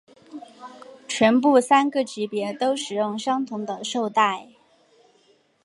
全部三个级别都使用相同的绶带。